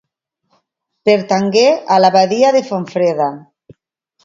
Pertangué a l'abadia de Fontfreda.